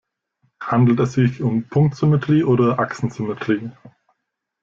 Handelt es sich um Punktsymmetrie oder Achsensymmetrie?